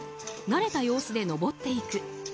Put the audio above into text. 慣れた様子で登っていく。